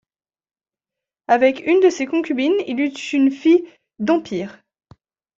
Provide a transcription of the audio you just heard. Avec une de ses concubines il eut une fille dhampire.